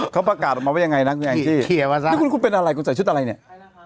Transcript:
เขาประกาศออกมาว่ายังไงนะคุณแองจี้นี่คุณคุณเป็นอะไรคุณใส่ชุดอะไรเนี่ย